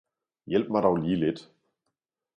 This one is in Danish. Hjælp mig dog lige lidt!